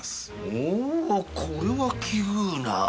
おおこれは奇遇な。